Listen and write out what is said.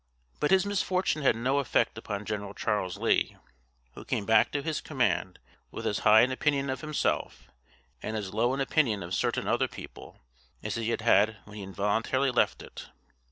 But his misfortune had no effect upon General Charles Lee, who came back to his command with as high an opinion of himself, and as low an opinion of certain other people, as he had had when he involuntarily left it.